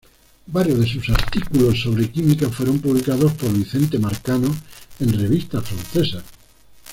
Varios de sus artículos sobre química fueron publicados por Vicente Marcano en revistas francesas.